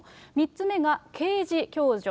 ３つ目が刑事共助。